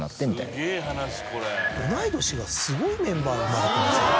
同い年がすごいメンバーが生まれてません？